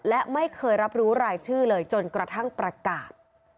และไม่เคยรับรู้รายชื่อเลยจนกระทั่งประกาศ